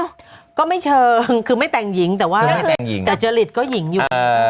ก็ไม่เชิงคือไม่แต่งหญิงแต่ว่าแต่จริตก็หญิงอยู่